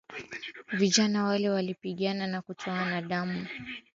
Yeye ni mhitimu wa Kituo cha Mapinduzi cha Ulimwengu cha Muammar al Gaddafi